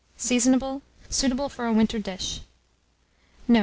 Seasonable. Suitable for a winter dish.